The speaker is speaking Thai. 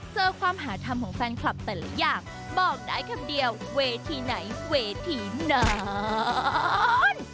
เจอความหาธรรมของแฟนคลับแต่ละอย่างบอกได้คำเดียวเวทีไหนเวทีนาน